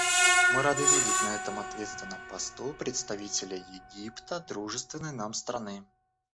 Мы рады видеть на этом ответственном посту представителя Египта − дружественной нам страны.